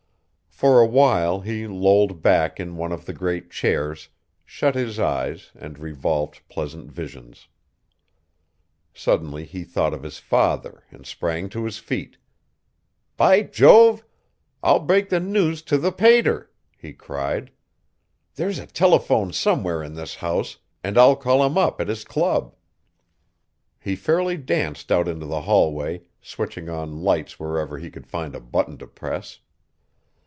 For a while he lolled back in one of the great chairs, shut his eyes and revolved pleasant visions. Suddenly he thought of his father and sprang to his feet. "By Jove! I'll break the news to the pater," he cried. "There's a telephone somewhere in this house, and I'll call him up at his club." He fairly danced out into the hallway, switching on lights wherever he could find a button to press.